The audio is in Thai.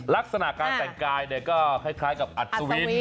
ลักษณะการแต่งกายก็คล้ายกับอัศวิน